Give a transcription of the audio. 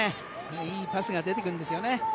いいパスが出てくるんですよね。